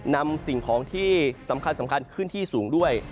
นำสิ่งของที่สำคัญขึ้นที่สูงด้วย